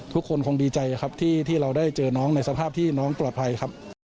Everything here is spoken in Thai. ทุกคนคงดีใจครับที่เราได้เจอน้องในสภาพที่น้องปลอดภัยครับ